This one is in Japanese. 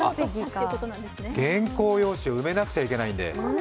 原稿用紙を埋めなくちゃいけないんだ。